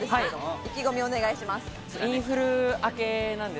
意気込み、お願いします。